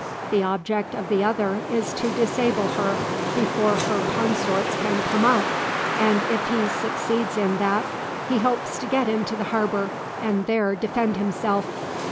The object of the other is to disable her before her consorts can come up, and if he succeeds in that he hopes to get into the harbour, and there defend himself."